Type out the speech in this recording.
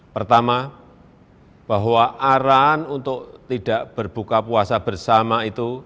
pertama bahwa arahan untuk tidak berbuka puasa bersama itu